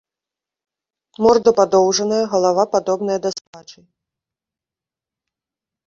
Морда падоўжаная, галава падобная да сабачай.